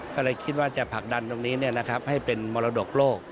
ก็เลยคิดว่าจะผลักดันตรงนี้ให้เป็นมรดกโลก